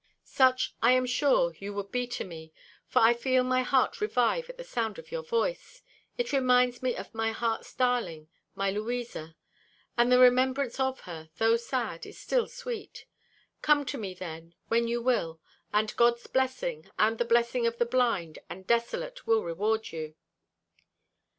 Such, I am sure, you would be to me; for I feel my heart revive at the sound of your voice; it reminds me of my heart's darling, my Louisa! and the remembrance of her, though sad, is still sweet. Come to me, then, when you will, and God's blessing, and the blessing of the blind and desolate, will reward you."